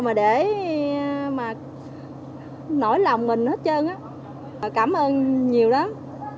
mà để nổi lòng mình hết trơn cảm ơn nhiều lắm